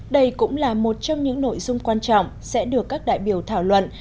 đây cũng là một trong những nội dung quan trọng sẽ được các đại biểu thảo luận